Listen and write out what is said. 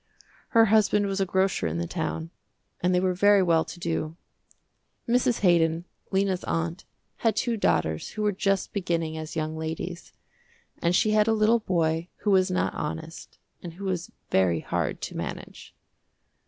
Her husband was a grocer in the town, and they were very well to do. Mrs. Haydon, Lena's aunt, had two daughters who were just beginning as young ladies, and she had a little boy who was not honest and who was very hard to manage.